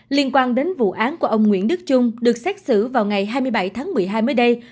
liên quan đến vụ án của ông nguyễn đức trung được xét xử vào ngày hai mươi bảy tháng một mươi hai mới đây